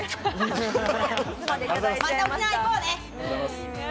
また沖縄行こうね。